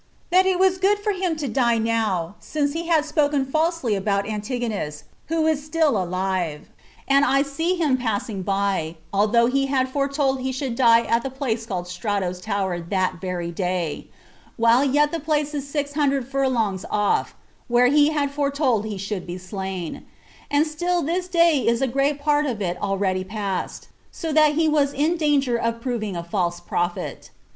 "That it was good for him to die now, since he had spoken falsely about Antigonus, who is still alive, and I see him passing by, although he had foretold he should die at the place called Strato's Tower that very day, while yet the place is six hundred furlongs off, where he had foretold he should be slain; and still this day is a great part of it already past, so that he was in danger of proving a false prophet."